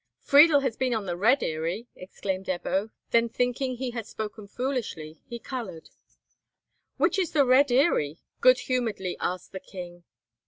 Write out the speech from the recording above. "Friedel has been on the Red Eyrie," exclaimed Ebbo; then, thinking he had spoken foolishly, he coloured. "Which is the Red Eyrie?" good humouredly asked the king.